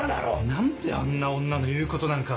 何であんな女の言うことなんか！